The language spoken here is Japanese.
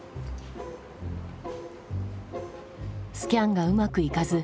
スキャンがうまくいかず。